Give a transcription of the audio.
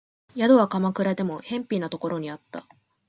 宿は鎌倉でも辺鄙なところにあった